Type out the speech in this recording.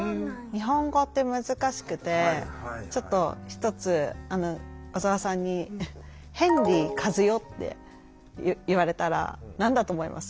日本語って難しくてちょっと一つ小沢さんに「ヘンリーカズヨ」って言われたら何だと思います？